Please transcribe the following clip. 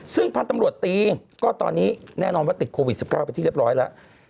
ซึ่งพันธุ์ตำรวจตีก็ตอนนี้แน่นอนว่าติดโควิด๑๙ไปที่เรียบร้อยแล้ว